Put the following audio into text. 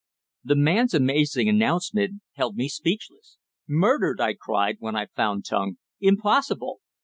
The man's amazing announcement held me speechless. "Murdered!" I cried when I found tongue. "Impossible!"